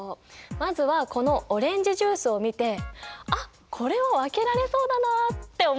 まずはこのオレンジジュースを見てあっこれは分けられそうだなあって思うものはない？